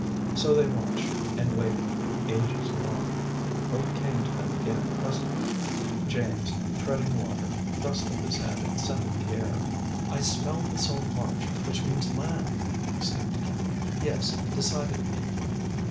So they watched and waited, ages long. Hope came to them again presently. James, treading water, thrust up his head and scented the air. "I smell the salt marsh, which means land!" He sniffed again. "Yes, decidedly!"